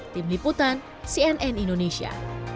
tim liputan cnn indonesia